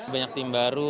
banyak tim baru